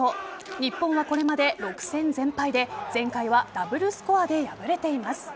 日本はこれまで６戦全敗で前回はダブルスコアで敗れています。